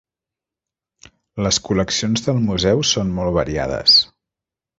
Les col·leccions del museu són molt variades.